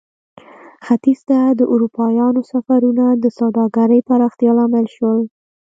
ختیځ ته د اروپایانو سفرونه د سوداګرۍ پراختیا لامل شول.